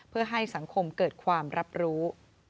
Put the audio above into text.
เพื่อให้สังคมเกิดความรับรู้